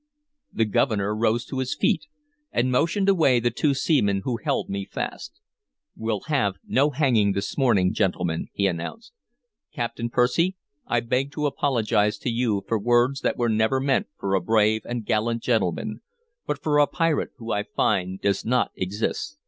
The Governor rose to his feet, and motioned away the two seamen who held me fast. "We'll have no hanging this morning, gentlemen," he announced. "Captain Percy, I beg to apologize to you for words that were never meant for a brave and gallant gentleman, but for a pirate who I find does not exist.